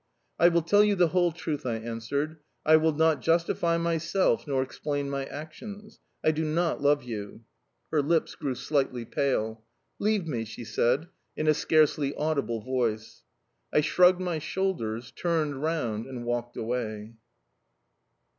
"I will tell you the whole truth," I answered. "I will not justify myself, nor explain my actions: I do not love you." Her lips grew slightly pale. "Leave me," she said, in a scarcely audible voice. I shrugged my shoulders, turned round, and walked away.